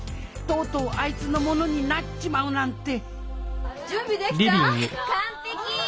とうとうあいつのものになっちまうなんて準備できた？